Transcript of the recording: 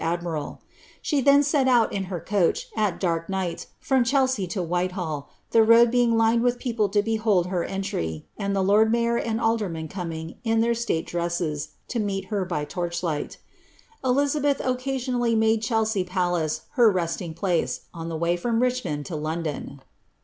metropolis, going, bv «at Charles Howard, lord adm night, from Chelsea to Whitehall, the road being lined with people behold her entry, and ilie lord mayor and aldermen coming, in thi slate dresses, to meet her by loroh liglit. Elizabeth occasionally made Chelsea palace her resting place, on t way from Richmond lo London.'